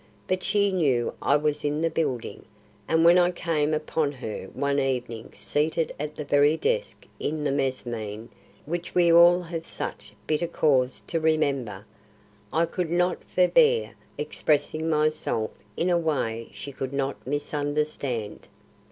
But she knew I was in the building, and when I came upon her one evening seated at the very desk in the mezzanine which we all have such bitter cause to remember, I could not forbear expressing myself in a way she could not misunderstand.